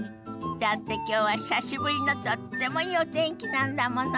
だってきょうは久しぶりのとってもいいお天気なんだもの。